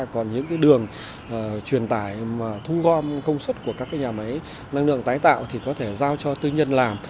còn những cái đường truyền tài mà thung gom công suất của các cái nhà máy năng lượng tái tạo thì có thể giao cho tư nhân làm